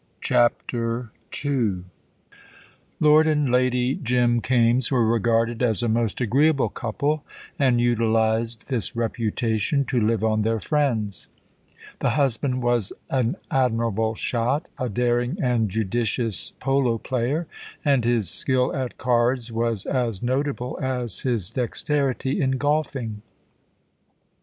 CHAPTER II Lord And Lady Jim Kaimes were regarded as a most agreeable couple, and utilised this reputation to live on their friends. The husband was an admirable shot, a daring and judicious polo player, and his skill at cards was as notable as his dexterity in golfing.